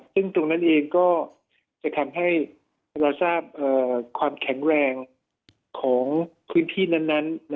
ซึ่งตรงนั้นเองก็จะทำให้เราทราบความแข็งแรงของพื้นที่นั้น